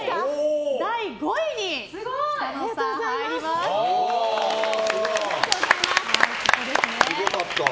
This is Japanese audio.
第５位に北乃さん入ります。